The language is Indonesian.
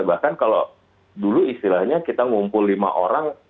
bahkan kalau dulu istilahnya kita ngumpul lima orang